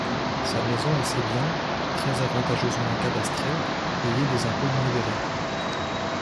Sa maison et ses biens, très avantageusement cadastrés, payaient des impôts modérés.